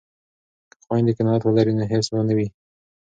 که خویندې قناعت ولري نو حرص به نه وي.